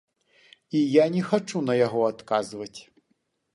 І я не хачу на яго адказваць.